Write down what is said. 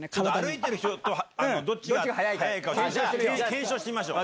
検証してみましょう。